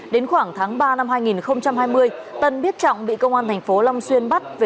đến khoảng tháng ba năm hai nghìn hai mươi tân biết trọng bị công an thành phố long xuyên bắt